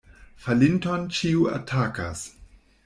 Falinton ĉiu atakas.